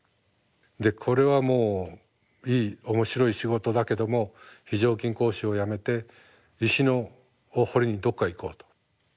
でこれはもういい面白い仕事だけども非常勤講師を辞めて石を彫りにどっか行こうと。